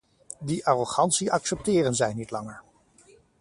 Die arrogantie accepteren zij niet langer.